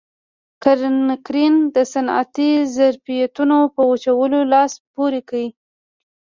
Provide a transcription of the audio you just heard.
کانکرین د صنعتي ظرفیتونو په وچولو لاس پورې کړ.